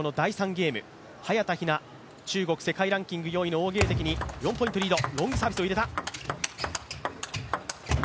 ゲーム早田ひな、中国世界ランキング４位の王ゲイ迪に４ポイントリード。